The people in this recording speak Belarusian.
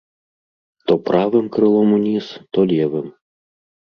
То правым крылом уніз, то левым.